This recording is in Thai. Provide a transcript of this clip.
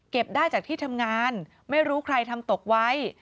ได้จากที่ทำงานไม่รู้ใครทำตกไว้